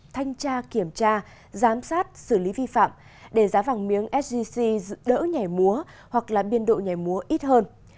thanh tra kiểm tra giám sát xử lý vi phạm để giá vàng miếng sgc giữ đỡ nhảy múa hoặc là biên độ nhảy múa ít hơn